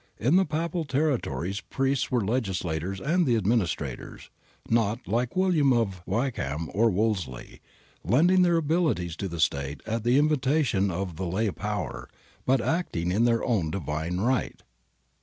In the Papal territories priests were the legislators and the administrators, not, like William of Wykeham or Wolsey, lending their abilities to the State at the invitation of the lay power, but acting in their own right divine.